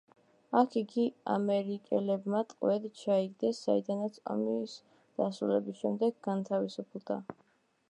აქ იგი ამერიკელებმა ტყვედ ჩაიგდეს, საიდანაც ომის დასრულების შემდეგ განთავისუფლდა.